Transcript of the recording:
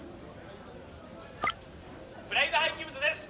「プライド廃棄物です。